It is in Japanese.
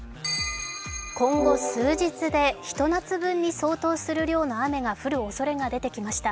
今後数日で、ひと夏分の雨に相当する量が降るおそれが出てきました。